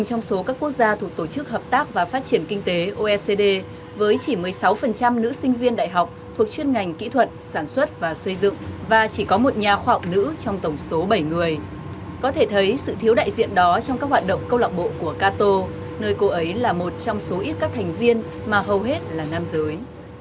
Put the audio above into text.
trong số các quốc gia thuộc tổ chức hợp tác và phát triển kinh tế oecd với chỉ một mươi sáu nữ sinh viên đại học thuộc chuyên ngành kỹ thuật sản xuất và xây dựng và chỉ có một nhà khoa học nữ trong tổng số bảy người có thể thấy sự thiếu đại diện đó trong các hoạt động câu lạc bộ của kato nơi cô ấy là một trong số ít các thành viên mà hầu hết là nam giới